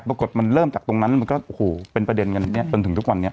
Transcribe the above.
ปรากฏมันเริ่มจากตรงนั้นมันก็โอ้โหเป็นประเด็นกันเนี่ยจนถึงทุกวันนี้